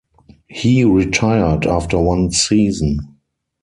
He retired after one season.